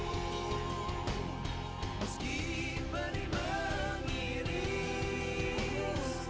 meski pening mengiris